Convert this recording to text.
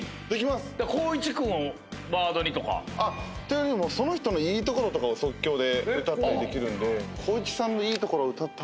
光一君ワードにとか。というよりもその人のいいところとかを即興で歌ってできるんで。